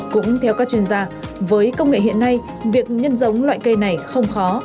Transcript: cũng theo các chuyên gia với công nghệ hiện nay việc nhân giống loại cây này không khó